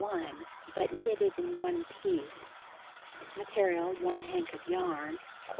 1, but knitted in one piece) ^Material: 1 hank of yarn (I lb.)